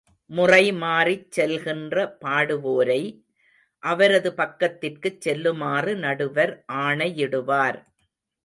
முறை மாறிச் செல்கின்ற பாடுவோரை, அவரது பக்கத்திற்குச் செல்லுமாறு நடுவர் ஆணையிடுவார்.